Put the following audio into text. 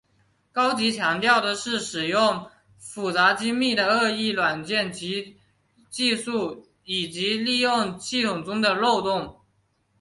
高级强调的是使用复杂精密的恶意软件及技术以利用系统中的漏洞。